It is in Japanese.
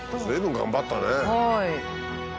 随分頑張ったね。